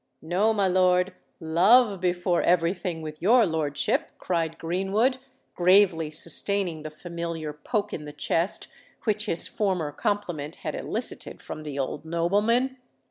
"No, my lord—love before every thing with your lordship!" cried Greenwood, gravely sustaining the familiar poke in the chest which his former compliment had elicited from the old nobleman.